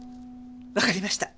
わかりました！